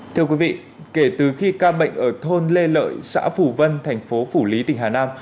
thưa quý vị kể từ khi ca bệnh ở thôn lê lợi xã phủ vân thành phố phủ lý tỉnh hà nam